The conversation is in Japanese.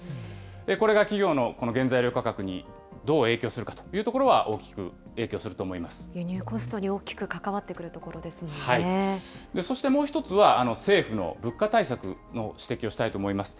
これが企業の原材料価格にどう影響するかというところは大きく影輸入コストに大きく関わってそしてもう１つは、政府の物価対策の指摘をしたいと思います。